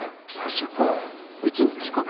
そこうちの近くです。